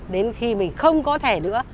đến khi mình không có thể nữa